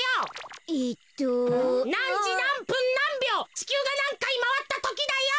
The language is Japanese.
ちきゅうがなんかいまわったときだよ。